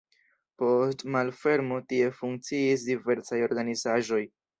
Post malfermo tie funkciis diversaj organizaĵoj.